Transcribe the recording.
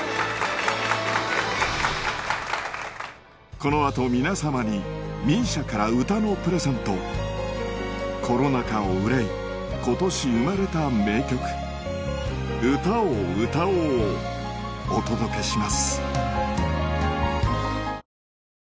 この後皆様にＭＩＳＩＡから歌のプレゼントコロナ禍を憂い今年生まれた名曲『歌を歌おう』をお届けします